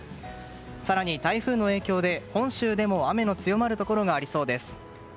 更に台風の影響で本州でも雨の強まるところがありそうです。